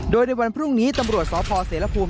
โดยในวันพรุ่งนี้ตำรวจสพเสรภูมิ